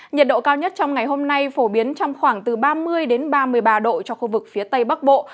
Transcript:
nhiệt độ cao nhất trong ngày hôm nay phổ biến trong khoảng từ ba mươi ba mươi ba độ cho khu vực phía tây bắc bộ